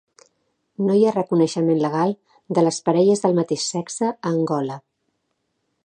No hi ha reconeixement legal de les parelles del mateix sexe a Angola.